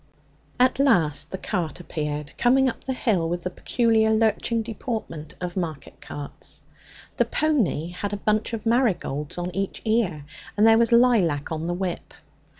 At last the cart appeared, coming up the hill with the peculiar lurching deportment of market carts. The pony had a bunch of marigolds on each ear, and there was lilac on the whip.